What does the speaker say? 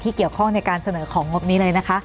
เกี่ยวข้องในการเสนอของงบนี้เลยนะคะ